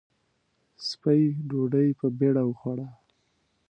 سپۍ ډوډۍ په بېړه وخوړه.